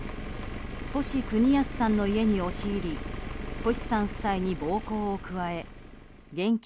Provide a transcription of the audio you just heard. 星邦康さんの家に押し入り星さん夫妻に暴行を加え現金